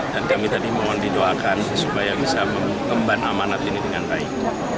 dan kami tadi mohon didoakan supaya bisa memban amanah ini dengan baik